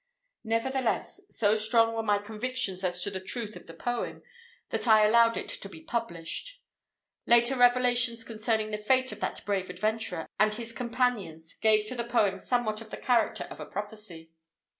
Nevertheless, so strong were my convictions as to the truth of the poem, that I allowed it to be published. Later revelations concerning the fate of that brave adventurer and his companions gave to the poem somewhat of the character of a prophecy.